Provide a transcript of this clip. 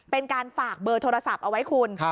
เป็นการฝากเบอร์โทรศัพท์เอาไว้คุณ